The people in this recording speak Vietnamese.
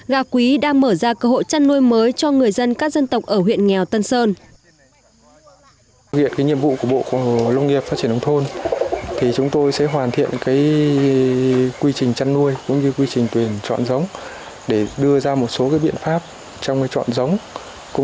gà quý đang mở ra cơ hội chăn nuôi mới cho người dân các dân tộc ở huyện nghèo tân sơn